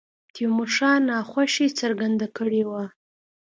تیمور شاه ناخوښي څرګنده کړې وه.